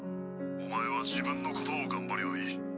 お前は自分のことを頑張りゃいい。